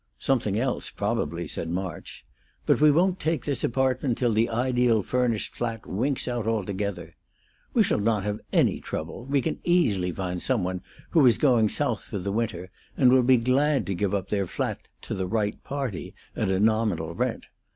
"Something else, probably," said March. "But we won't take this apartment till the ideal furnished flat winks out altogether. We shall not have any trouble. We can easily find some one who is going South for the winter and will be glad to give up their flat 'to the right party' at a nominal rent.